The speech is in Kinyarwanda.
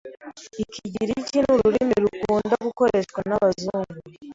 Ikigiriki ni ururimi rukunda gukoreshwa n’abazungu